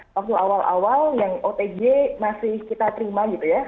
waktu awal awal yang otg masih kita terima gitu ya